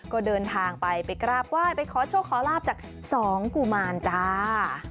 ก็เดินทางไปไปกราบไหว้ไปขอโชคขอลาบจากสองกุมารจ้า